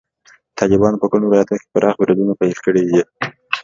طالبانو په ګڼو ولایتونو کې پراخ بریدونه پیل کړي دي.